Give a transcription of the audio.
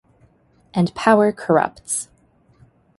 And power corrupts.